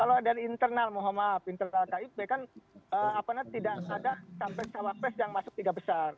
kalau dari internal mohon maaf internal kib kan tidak ada sampai cawapres yang masuk tiga besar